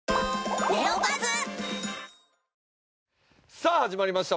さあ始まりました！